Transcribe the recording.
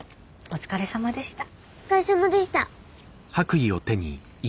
お疲れさまでした。